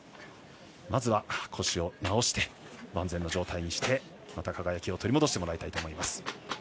まずは腰を治して万全の状態にしてまた輝きを取り戻してほしいと思います。